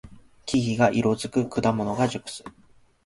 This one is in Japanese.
木々が色づく。果物が熟す。